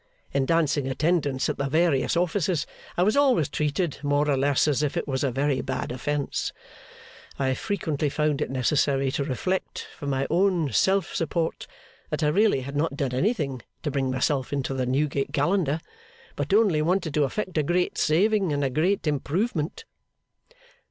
In dancing attendance at the various offices, I was always treated, more or less, as if it was a very bad offence. I have frequently found it necessary to reflect, for my own self support, that I really had not done anything to bring myself into the Newgate Calendar, but only wanted to effect a great saving and a great improvement.